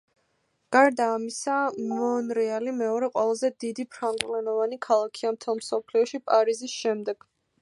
გარდა ამისა, მონრეალი მეორე ყველაზე დიდი ფრანგულენოვანი ქალაქია მთელ მსოფლიოში, პარიზის შემდეგ.